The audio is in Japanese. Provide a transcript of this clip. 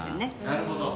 なるほど。